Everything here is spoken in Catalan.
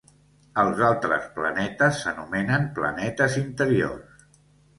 Els altres planetes s'anomenen planetes interiors.